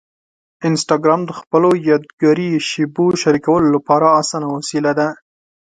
انسټاګرام د خپلو یادګاري شېبو شریکولو لپاره اسانه وسیله ده.